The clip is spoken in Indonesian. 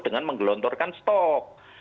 dengan menggelontorkan stok